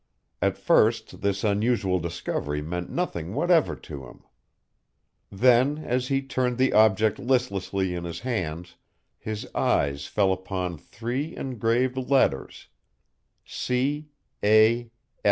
At first this unusual discovery meant nothing whatever to him. Then, as he turned the object listlessly in his hands, his eyes fell upon three engraved letters, C. A.